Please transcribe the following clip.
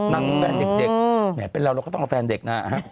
งืมแฟนเด็กเนี่ยเป็นเราเราก็ต้องการแฟนเด็กน่ะอ่ะฮะ